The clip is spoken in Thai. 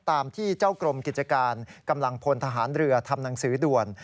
ตามที่เจ้ากรมกิจการกำลังพลทหารเรือทำหนังสือด่วน